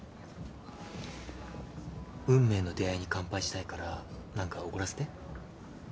運命の出会いに乾杯したいから何かおごらせて。